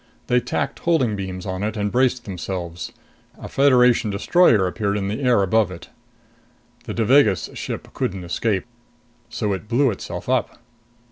They tacked holding beams on it and braced themselves. A Federation destroyer appeared in the air above it. The Devagas ship couldn't escape. So it blew itself up.